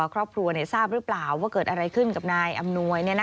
ครอบครัวทราบหรือเปล่าว่าเกิดอะไรขึ้นกับนายอำนวย